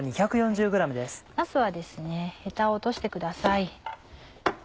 なすはヘタを落としてください。